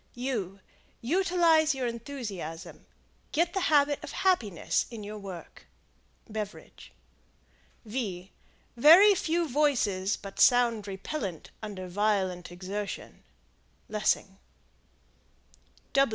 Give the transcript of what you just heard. Utilize your enthusiasms. Get the habit of happiness in work. Beveridge. Very few voices but sound repellent under violent exertion. Lessing.